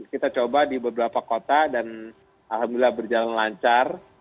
kita coba di beberapa kota dan alhamdulillah berjalan lancar